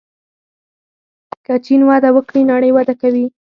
که چین وده وکړي نړۍ وده کوي.